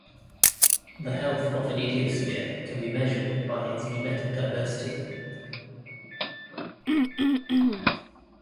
The health of an ideosphere can be measured by its memetic diversity.